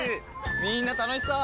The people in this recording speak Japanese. みんな楽しそう！